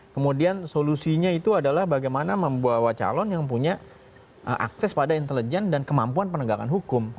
kemudian solusinya itu adalah bagaimana membawa calon yang punya akses pada intelijen dan kemampuan penegakan hukum